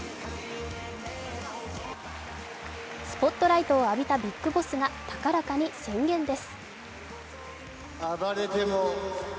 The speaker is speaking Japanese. スポットライトを浴びたビッグボスが高らかに宣言です。